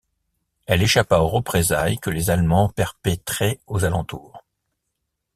Elle échappa aux représailles que les Allemands perpétraient aux alentours.